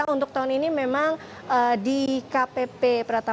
untuk tahun ini memang di kpp pratama